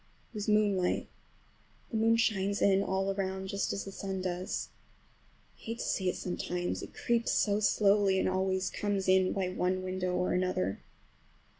It was moonlight. The moon shines in all around, just as the sun does. I hate to see it sometimes, it creeps so slowly, and always comes in by one window or another.